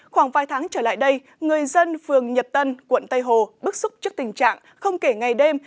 khoảng vài tháng trở lại đây người dân phường nhật tân quận tây hồ bức xúc trước tình trạng không kể ngày đêm